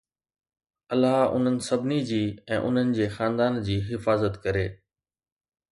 الله انهن سڀني جي ۽ انهن جي خاندان جي حفاظت ڪري